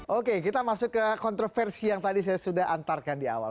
oke kita masuk ke kontroversi yang tadi saya sudah antarkan di awal